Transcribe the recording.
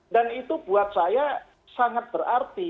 dan itu buat saya sangat berarti